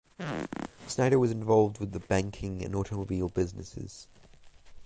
Snyder was involved with the banking and automobile businesses.